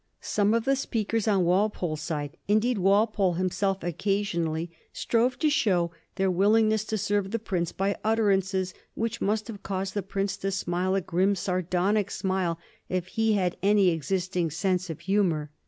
Some of the speakers on Walpole's side — indeed, Walpole himself occasionally — strove to show their willingness to serve the prince by utterances which must have caused the prince to smile a' grim, sar donic smile if he had any existing sense of humor.